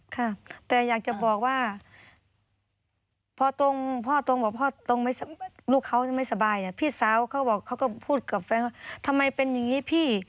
ค่ะแต่อยากจะบอกว่าพอตรงพ่อตรงกับพ่อตรงลูกเขาจะไม่สบายเนี่ยพี่สาวเขาบอกเขาก็พูดกับแฟนว่าทำไมเป็นอย่างนี้พี่